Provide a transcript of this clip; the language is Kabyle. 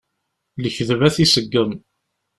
Lekdeb ad t-iseggem.